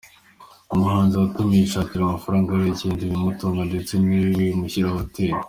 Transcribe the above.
Umuhanzi watumiwe yishakira amafaranga y’urugendo, ibimutunga ndetse ni we wiyishyurira hoteli.